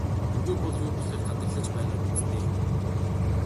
Үгүй бол юу болохыг гадарлаж байгаа биз дээ?